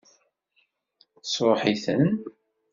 Tesṛuḥ-iten?